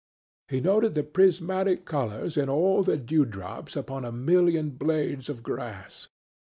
He noted the prismatic colors in all the dewdrops upon a million blades of grass.